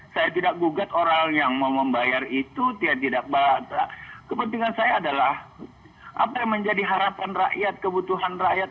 saya tidak gugat orang yang mau membayar itu tidak bahasa kepentingan saya adalah apa yang menjadi harapan rakyat kebutuhan rakyat